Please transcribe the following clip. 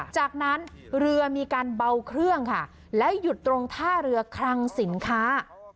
จากนั้นเรือมีการเบาเครื่องค่ะแล้วหยุดตรงท่าเรือคลังสินค้า